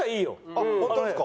あっ本当ですか？